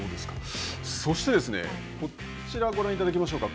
そして、こちらをご覧いただきましょうか。